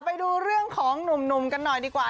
ไปดูเรื่องของหนุ่มกันหน่อยดีกว่า